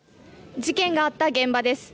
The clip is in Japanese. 事件があった現場です。